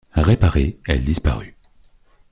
Réparée, elle disparut.